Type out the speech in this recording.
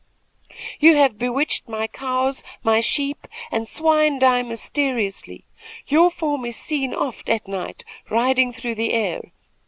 "You have bewitched my cows; my sheep and swine die mysteriously. Your form is seen oft at night riding through the air.